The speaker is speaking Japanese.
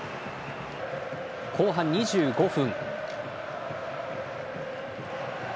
後半２５分。